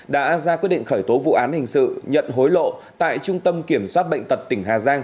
đã ra quyết định khởi tố vụ án hình sự nhận hối lộ tại trung tâm kiểm soát bệnh tật tỉnh hà giang